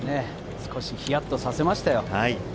少しひやっとさせましたよ。